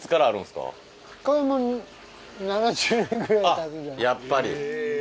あっやっぱり。